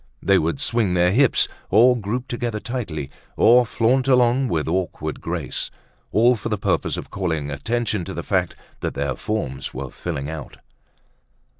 They would swing their hips, or group together tightly, or flaunt along with awkward grace, all for the purpose of calling attention to the fact that their forms were filling out.